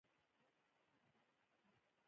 هغې به د پوهې د دروازو خلاصېدو دعا کوله